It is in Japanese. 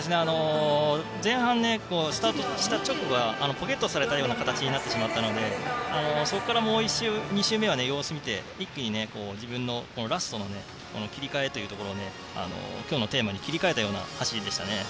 前半、スタートした直後はポケットされたような形になってしまったのでそこから２周目は様子を見て一気に自分のラストの切り替えを今日のテーマに切り替えたような走りでしたね。